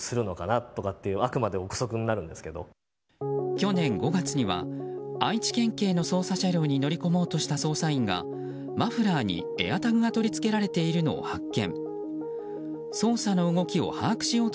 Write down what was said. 去年５月には愛知県警の捜査車両に乗り込もうとした捜査員がマフラーにＡｉｒＴａｇが取り付けられているのを発見。